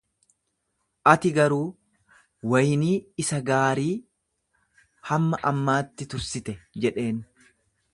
Ati garuu waynii isa gaarii hamma ammaatti tursite jedheen.